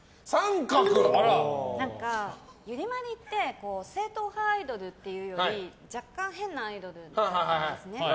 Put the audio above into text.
ＹＵＲＩＭＡＲＩって正統派アイドルっていうより若干変なアイドルだったんですね。